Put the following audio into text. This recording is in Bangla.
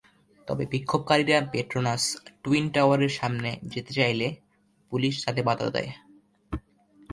তবে বিক্ষোভকারীরা পেট্রোনাস টুইন টাওয়ারের সামনে যেতে চাইলে পুলিশ তাতে বাধা দেয়।